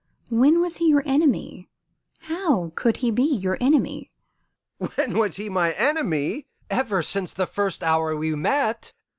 When was he your enemy? How could he be your enemy?" "When was he my enemy? Ever since the first hour we met.